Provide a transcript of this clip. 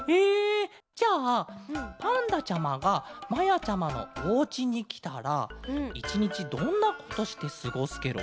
じゃあパンダちゃまがまやちゃまのおうちにきたらいちにちどんなことしてすごすケロ？